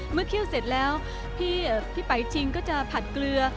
เมื่อเคี่ยวเสร็จแล้วพี่เอ่อพี่ปลายชิงก็จะผัดเกลือ